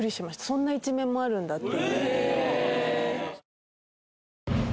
そんな一面もあるんだって